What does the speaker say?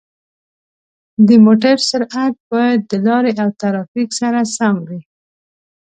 د موټر سرعت باید د لارې او ترافیک سره سم وي.